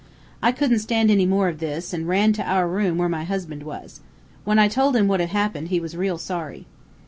"I couldn't stand any more of this an' ran into our room where my husband was. When I told him what had happened, he was real sorry.